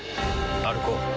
歩こう。